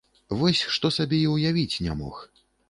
Вось што сабе і ўявіць не мог.